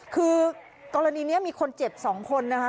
คือกรณีนี้มีคนเจ็บ๒คนนะคะ